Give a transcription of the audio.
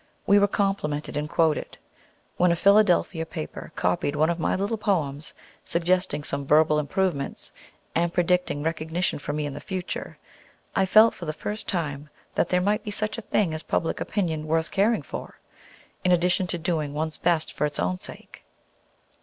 We were complimented and quoted. When a Philadelphia paper copied one of my little poems, suggesting some verbal improvements, and predicting recognition for me in the future, I felt for the first time that there might be such a thing as public opinion worth caring for, in addition to doing one's best for its own sake.